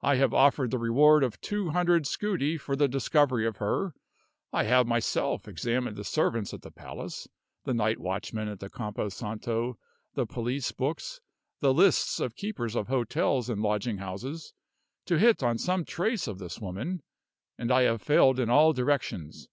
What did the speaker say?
I have offered the reward of two hundred scudi for the discovery of her; I have myself examined the servants at the palace, the night watchman at the Campo Santo, the police books, the lists of keepers of hotels and lodging houses, to hit on some trace of this woman; and I have failed in all directions.